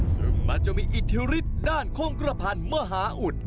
ซึ่งมักจะมีอิทธิฤทธิ์ด้านโค้งกระพันธ์มหาอุด